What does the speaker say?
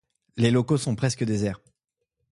Les locaux sont presque déserts.